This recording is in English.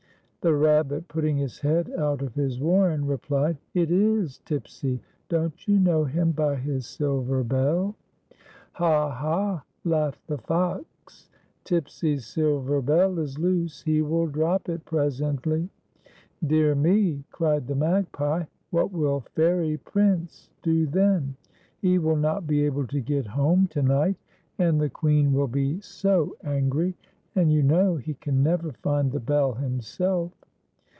The Rabbit, putting his head out of his warren, replied: " It is Tipsy ; don't you know him by his silver bell.>" " Ha, ha !" laughed the Fox. " Tipsy's silver bell is loose ; he will drop it presently." "Dear me!" cried the Magpie; "what will Fairy Prince do then? He will not be able to get home 124 TIPSY'S SIZVER BELL, to night, and the .Queen will be so angry; and, you know, he can never find the bell himself."